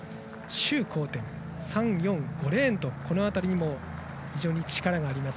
周洪転、３、４、５レーンとこのあたりにも非常に力があります。